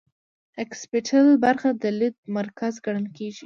اکسیپیټل برخه د لید مرکز ګڼل کیږي